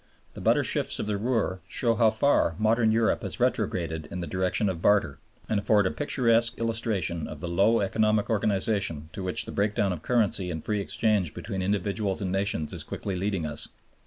The butter shifts of the Ruhr show how far modern Europe has retrograded in the direction of barter, and afford a picturesque illustration of the low economic organization to which the breakdown of currency and free exchange between individuals and nations is quickly leading us.